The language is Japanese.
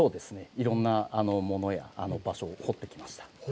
いろんなものや場所を掘ってきました。